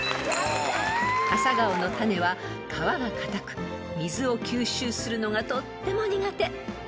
［アサガオの種は皮がかたく水を吸収するのがとっても苦手］